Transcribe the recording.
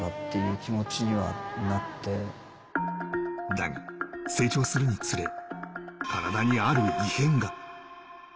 だが成長するにつれ、体にある異変が。